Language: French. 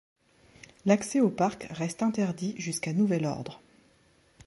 L'accès au parc reste interdit jusqu'à nouvel ordre.